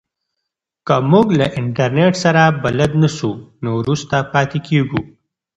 که موږ له انټرنیټ سره بلد نه سو نو وروسته پاتې کیږو.